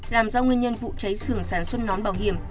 làm do nguyên nhân vụ cháy sưởng sản xuất nón bảo hiểm